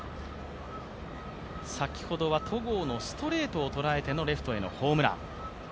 先ほどは戸郷のストレートを捉えてのレフトへのホームラン。